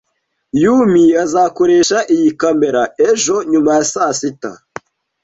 Yumi azakoresha iyi kamera ejo nyuma ya saa sita